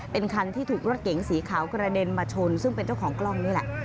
เป็นคันที่ถูกรถเก๋งสีขาวกระเด็นมาชนซึ่งเป็นเจ้าของกล้องนี่แหละ